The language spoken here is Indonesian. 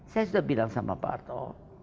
saya sudah bilang sama pak arto